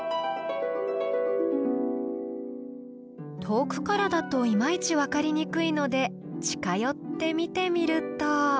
遠くからだとイマイチ分かりにくいので近寄って見てみると。